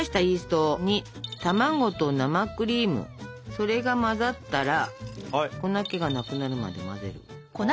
それが混ざったら粉けがなくなるまで混ぜる。